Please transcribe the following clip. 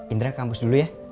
indra kampus dulu ya